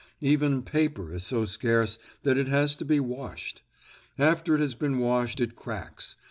Even paper is so scarce that it has to be washed. After it has been washed it cracks.